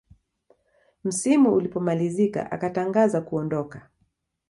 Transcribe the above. msimu ulipomalizika akatangaza kuondoka